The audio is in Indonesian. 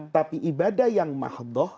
tapi ibadah yang mahdoh